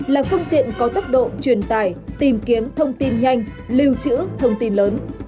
là phương tiện có tốc độ truyền tải tìm kiếm thông tin nhanh lưu trữ thông tin lớn